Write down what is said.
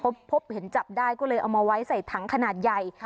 พบเห็นจับได้ก็เลยเอามาไว้ใส่ถังขนาดใหญ่